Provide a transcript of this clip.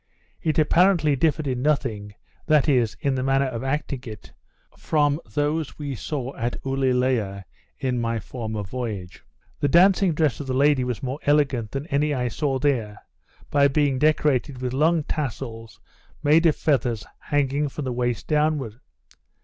It apparently differed in nothing, that is, in the manner of acting it, from those we saw at Ulielea in my former voyage. The dancing dress of the lady was more elegant than any I saw there, by being decorated with long tassels, made of feathers, hanging from the waist downward.